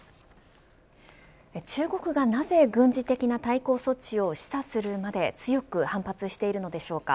中国がなぜ軍事的な対抗措置を示唆するまで強く反発しているのでしょうか。